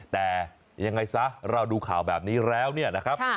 แต่ยังไงซะเราดูข่าวแบบนี้แล้วเนี่ยนะครับ